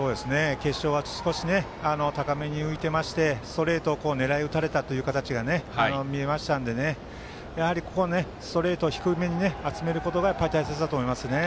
決勝は少し高めに浮いていましてストレートを狙い打たれた形が見えましたのでここはストレートを低めに集めることが大切だと思いますね。